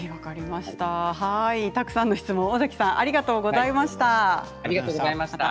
たくさんの質問、尾崎さんありがとうございました。